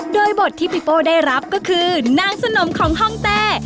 โดยบทที่พี่โป้ได้รับก็คือนางสนมของห้องเต้